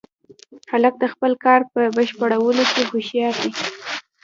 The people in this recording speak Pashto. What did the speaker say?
هلک د خپل کار په بشپړولو کې هوښیار دی.